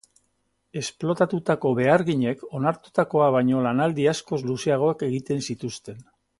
Esplotatutako beharginek onartutakoa baino lanaldi askoz luzeagoak egiten zituzten.